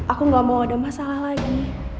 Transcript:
aku gak mau ada masalah lagi